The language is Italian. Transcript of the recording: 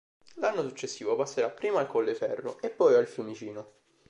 L'anno successivo passerà prima al Colleferro e poi al Fiumicino.